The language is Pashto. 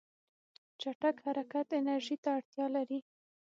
چټک حرکت انرژي ته اړتیا لري.